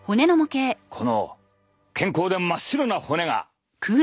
この健康で真っ白な骨が。